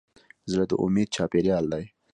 زړه د امید چاپېریال دی.